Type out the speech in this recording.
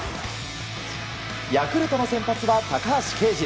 ヤクルトの先発は高橋奎二。